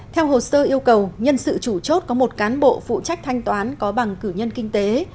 theo hồ sơ yêu cầu nhân sự chủ chốt có một cán bộ phụ trách thanh toán có bằng cử nhân kinh tế